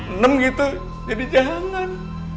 enem gitu jadi jangan